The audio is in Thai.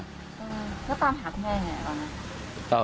แล้วตามหาคุณแม่อย่างไรก่อนนะ